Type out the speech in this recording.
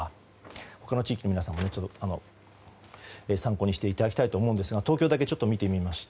他の地域の皆さん参考にしていただきたいと思うんですが東京だけちょっと見てみました。